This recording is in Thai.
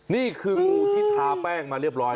นี่คืองูที่ทาแป้งมาเรียบร้อย